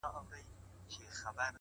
هره لحظه د نوې پرېکړې فرصت دی’